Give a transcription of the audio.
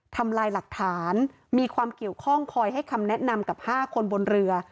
ทำลายหลักฐานมีความเกี่ยวข้องคอยให้คำแนะนำกับ๕คนบนเรือ